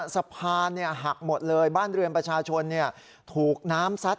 สะพานหักหมดเลยบ้านเรือนประชาชนถูกน้ำซัด